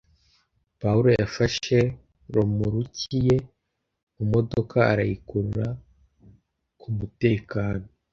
Pawulo yafashe romoruki ye ku modoka arayikurura ku mutekano